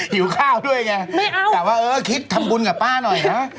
หิวข้าวด้วยไงไม่เอาแต่ว่าเออคิดทำบุญกับป้าหน่อยนะ